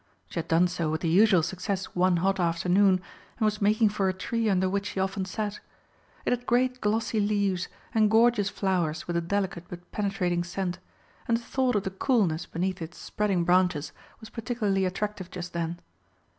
She had done so with the usual success one hot afternoon, and was making for a tree under which she often sat. It had great glossy leaves, and gorgeous flowers with a delicate but penetrating scent, and the thought of the coolness beneath its spreading branches was particularly attractive just then.